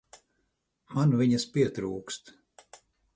Man viņas pietrūkst.